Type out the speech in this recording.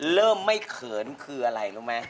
เริ่มไม่เขินคืออะไรรู้ไหม